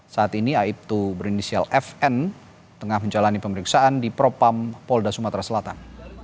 saat ini aibtu berinisial fn tengah menjalani pemeriksaan di propam polda sumatera selatan